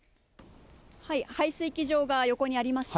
排水機場が横にありまして。